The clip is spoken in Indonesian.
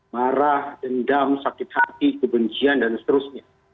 marah dendam sakit hati kebencian dan seterusnya